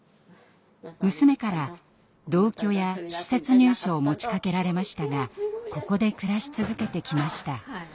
娘から同居や施設入所を持ちかけられましたがここで暮らし続けてきました。